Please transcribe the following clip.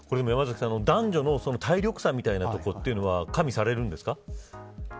男女の体力差というところは加味されるんですか。